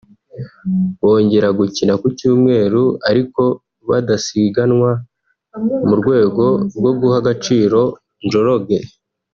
bongera gukina ku Cyumweru ariko badasiganwa mu rwego rwo guha agaciro Njoroge